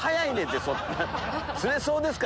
「釣れそうですか？」